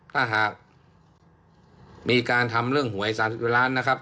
ถ้าหากมีการทำเรื่องหวย๓๐กว่าล้านนะครับ